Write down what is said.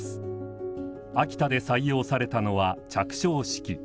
秋田で採用されたのは着床式。